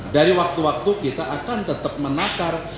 dari waktu waktu kita akan tetap menakar